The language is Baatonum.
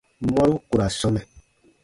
Mɔru ku ra sɔmɛ.